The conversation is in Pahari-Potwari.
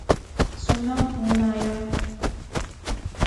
سناں فون آیا